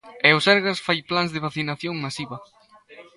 E o Sergas fai plans de vacinación masiva.